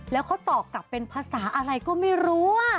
แล้วเขาตอบกลับเป็นภาษาอะไรก็ไม่รู้